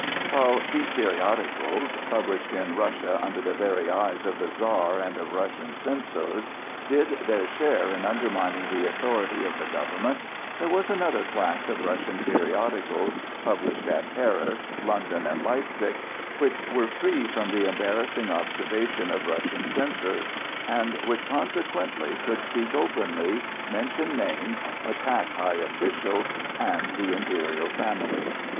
While these periodicals, published in Russia under the very eyes of the Czar and of Russian censors, did their share in undermining the authority of the government, there was another class of Russian periodicals, published at Paris, London, and Leipsic, which were free from the embarrassing observation of Russian censors, and which consequently could speak openly, mention names, attack high officials and the imperial family.